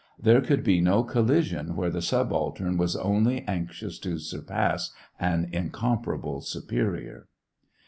There could be no collision where the subaltern was only anxious to surpass an incomparable superior.